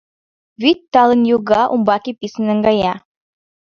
Вӱд талын йога, умбаке писын наҥгая.